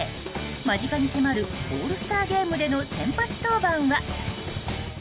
間近に迫るオールスターゲームでの先発登板は？